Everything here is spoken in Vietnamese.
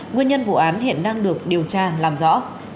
nguyên nhân vụ án hiện đang được điều tra làm rõ